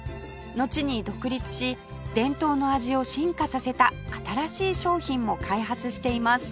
のちに独立し伝統の味を進化させた新しい商品も開発しています